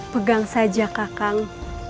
pegang saja kakak